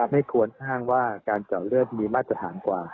ไม่ควรอ้างว่าการเจาะเลือดมีมาตรฐานกว่า